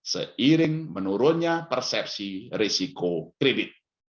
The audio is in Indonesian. seiring menurunnya persepsi risiko kredit